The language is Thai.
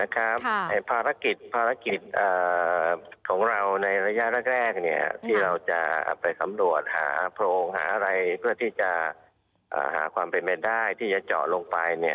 ที่เราจะไปคำงดหาผลวงหาอะไรเพื่อที่จะจอกลงมือให้ใช้